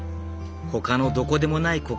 ほかのどこでもない